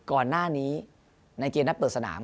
ก่อนหน้านี้ในเกมนัดเปิดสนาม